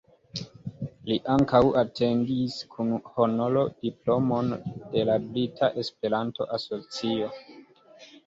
Li ankaŭ atingis kun honoro diplomon de la Brita Esperanto-Asocio.